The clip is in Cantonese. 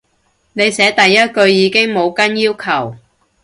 你寫第一句已經冇跟要求